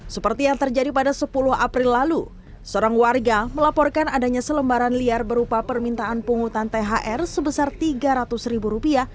seperti yang terjadi pada sepuluh april lalu seorang warga melaporkan adanya selembaran liar berupa permintaan pungutan thr sebesar tiga ratus ribu rupiah